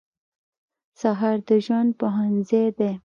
سهار د ژوند پوهنځی دی.